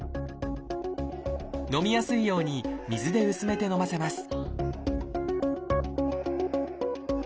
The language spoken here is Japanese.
飲みやすいように水で薄めて飲ませます